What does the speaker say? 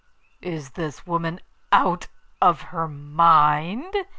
'Is the woman out of her mind?